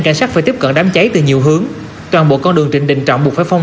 cảnh sát phải tiếp cận đám cháy từ nhiều hướng toàn bộ con đường trịnh đình trọng buộc phải phong